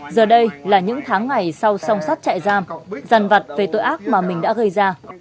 giờ đây là những tháng ngày sau song sát chạy giam dằn vặt về tội ác mà mình đã gây ra